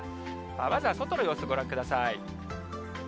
まずは外の様子ご覧ください。